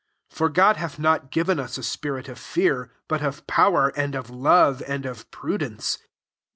7 For God hath not given us a spirit of fear, but of power, and of love, 'and of prudence.